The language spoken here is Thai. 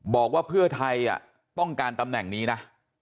บอกว่าเพื่อไทยต้องการตำแหน่งนี้นะ